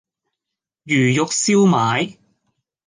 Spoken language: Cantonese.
魚肉燒賣